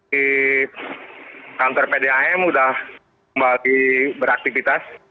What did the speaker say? di kantor pdam sudah kembali beraktivitas